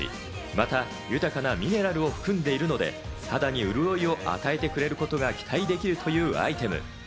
また、豊かなミネラルを含んでいるので、肌に潤いを与えてくれることが期待できるというアイテム。